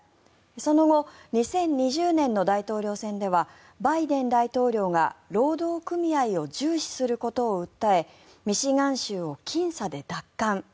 その後２０２０年の大統領選ではバイデン大統領が労働組合を重視することを訴えミシガン州をきん差で奪還。